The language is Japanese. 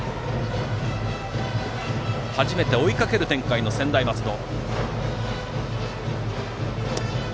初めて追いかける展開の専大松戸。